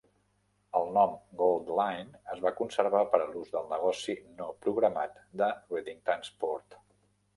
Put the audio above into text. El nom Goldline es va conservar per a l'ús del negoci no programat de Reading Transport.